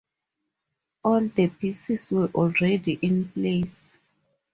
All the pieces were already in place.